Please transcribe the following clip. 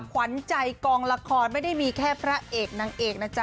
ขวัญใจกองละครไม่ได้มีแค่พระเอกนางเอกนะจ๊